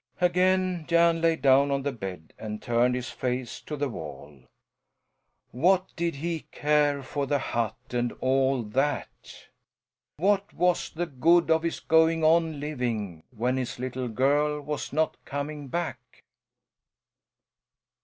Again Jan lay down on the bed and turned his face to the wall. What did he care for the hut and all that? What was the good of his going on living, when his little girl was not coming back?